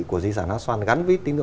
của di sản lá xoan gắn vít tính nữ